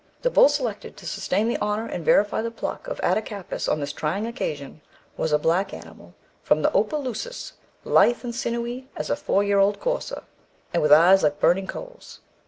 "The bull selected to sustain the honour and verify the pluck of Attakapas on this trying occasion was a black animal from the Opelousas, lithe and sinewy as a four year old courser, and with eyes like burning coals.